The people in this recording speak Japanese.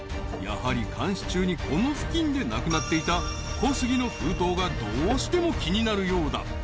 やはり監視中にこの付近でなくなっていた小杉の封筒がどうしても気になるようだ